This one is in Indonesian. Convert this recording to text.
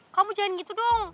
kamu jangan gitu dong